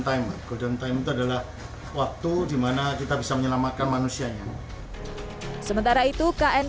time golden time itu adalah waktu dimana kita bisa menyelamatkan manusianya sementara itu kn